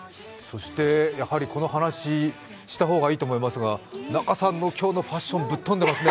やはりこの話した方がいいと思いますが仲さんの今日のファッションぶっ飛んでますね、